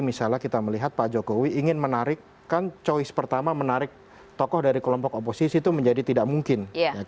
misalnya kita melihat pak jokowi ingin menarik kan choice pertama menarik tokoh dari kelompok oposisi itu menjadi tidak mungkin